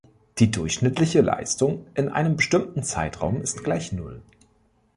Die durchschnittliche Leistung in einem bestimmten Zeitraum ist gleich Null.